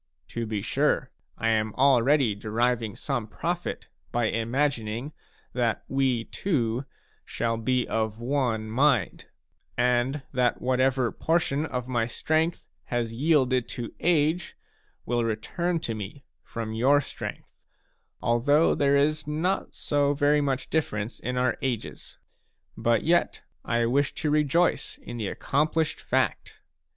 To be sure, I am already deriving some profit by imagining that we two shall be of one mind, and that whatever portion of my strength has yielded to age will return to me from your strength, although there is not so very much difference in our ages. But yet I wish to rejoice in the accomplished fact.